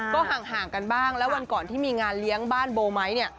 ก็ห่างกันบ้างแล้ววันก่อนที่มีงานเลี้ยงบ้านโบไมค์เนี่ย